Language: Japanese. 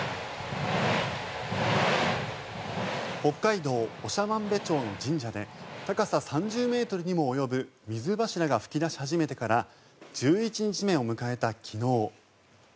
北海道長万部町の神社で高さ３０ｍにも及ぶ水柱が噴き出し始めてから１１日目を迎えた昨日。